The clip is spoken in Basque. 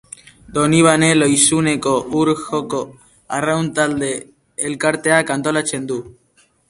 Donibane Lohizuneko Ur Joko Arraun Taldea elkarteak antolatzen du.